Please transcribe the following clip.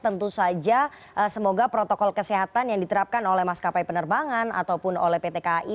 tentu saja semoga protokol kesehatan yang diterapkan oleh maskapai penerbangan ataupun oleh pt kai